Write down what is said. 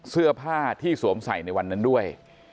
เสื้อผ้าที่สวมใส่ในวันนั้นด้วย